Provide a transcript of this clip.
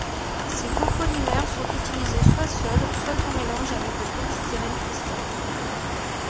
Ces copolymères sont utilisés soit seuls, soit en mélange avec le polystyrène cristal.